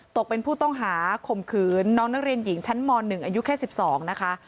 ตกเป็นผู้ต้องหาข่มขืนน้องนักเรียนหญิงชั้นม๑อายุแค่๑๒นะคะ